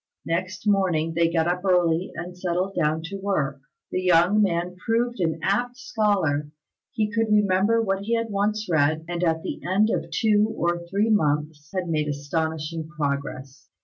Next morning they got up early and settled down to work. The young man proved an apt scholar; he could remember what he had once read, and at the end of two or three months had made astonishing progress.